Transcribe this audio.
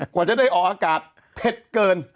กว่าจะได้ออกอากาศเผ็ดเกิน